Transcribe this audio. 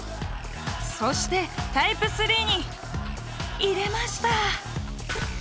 そしてタイプ３に入れました！